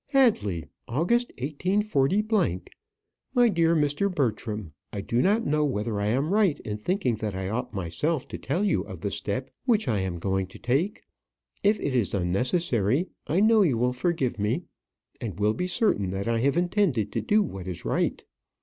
Hadley, August, 184 . My dear Mr. Bertram, I do not know whether I am right in thinking that I ought myself to tell you of the step which I am going to take. If it is unnecessary, I know you will forgive me, and will be certain that I have intended to do what is right.